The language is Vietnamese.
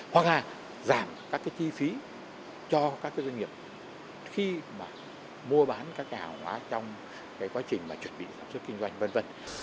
hoặc là giảm các chi phí cho các doanh nghiệp khi mua bán các hạ hóa trong quá trình chuẩn bị sản xuất kinh doanh v v